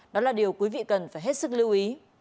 đó là điều quý vị cần phải hết sức lưu ý